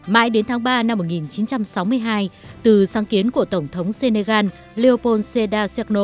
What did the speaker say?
mãi đến tháng ba năm một nghìn chín trăm sáu mươi hai từ sáng kiến của tổng thống senegal leopolseda sergo